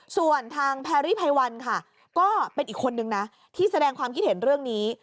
ส่วนทางแพรรี่ไพวันค่ะก็เป็นอีกคนนึงนะที่แสดงความคิดเห็นเรื่องนี้